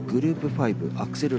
５アクセル